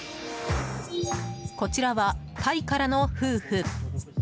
こちらはタイからの夫婦。